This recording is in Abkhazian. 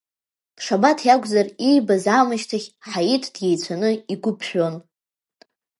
Шабаҭ иакәзар, иибаз аамышьҭахь Ҳаиҭ диеицәаны игәы ԥжәон.